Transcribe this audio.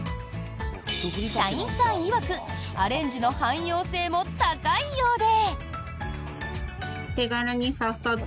社員さんいわくアレンジの汎用性も高いようで。